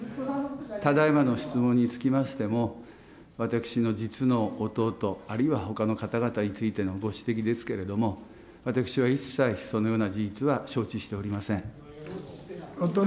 ただいまの質問につきましても、私の実の弟、あるいはほかの方々についてのご指摘ですけれども、私は一切、そのような事実は承知しておりません。